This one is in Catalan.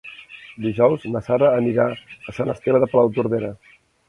Dijous na Sara anirà a Sant Esteve de Palautordera.